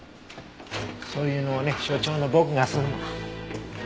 そういうのはね所長の僕がするの。